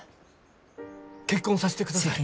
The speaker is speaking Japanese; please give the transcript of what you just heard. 結婚さしてください。